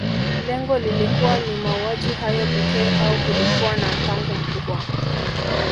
Lengo lilikuwa ni mauaji hayo pekee au kulikuwa na mpango mkubwa